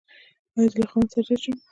ایا زه له خاوند سره راشم؟